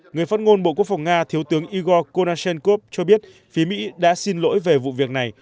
người phát ngôn bộ quốc phòng nga thiếu tướng igor konashenkov cho biết phía mỹ đã xin lỗi về vụ việc này